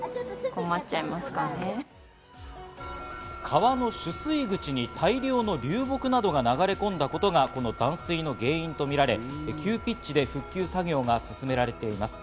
川の取水口に大量の流木などが流れ込んだことがこの断水の原因とみられ、急ピッチで復旧作業が進められています。